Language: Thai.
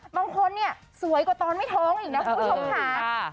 บางคนเนี่ยสวยกว่าตอนไม่ท้องอีกนะคุณผู้ชมค่ะ